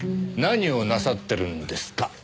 何をなさってるんですか？